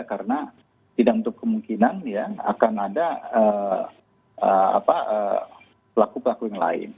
karena tidak untuk kemungkinan ya akan ada pelaku pelaku yang lain